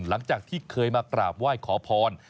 หลังจากที่เคยมากราบไหว้ขอพร